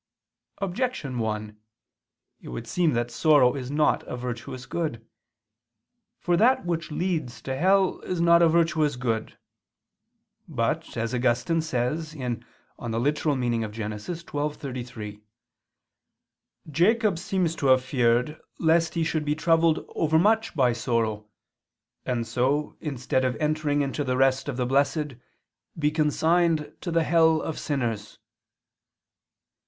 Objection 1: It would seem that sorrow is not a virtuous good. For that which leads to hell is not a virtuous good. But, as Augustine says (Gen. ad lit. xii, 33), "Jacob seems to have feared lest he should be troubled overmuch by sorrow, and so, instead of entering into the rest of the blessed, be consigned to the hell of sinners."